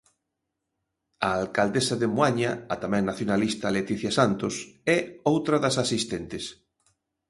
A alcaldesa de Moaña, a tamén nacionalista Leticia Santos, é outra das asistentes.